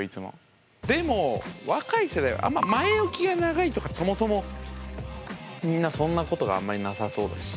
でも若い世代あんま前置きが長いとかってそもそもみんなそんなことがあんまりなさそうだし。